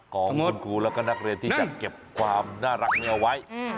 ของคุณครูแล้วก็นักเรียนที่จะเก็บความน่ารักนี้เอาไว้